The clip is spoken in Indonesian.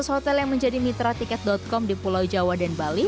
enam ratus hotel yang menjadi mitra ticket com di pulau jawa dan bali